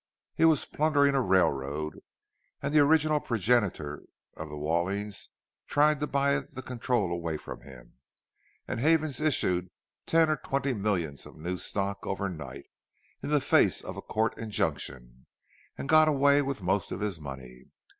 He was plundering a railroad, and the original progenitor of the Wallings tried to buy the control away from him, and Havens issued ten or twenty millions of new stock overnight, in the face of a court injunction, and got away with most of his money.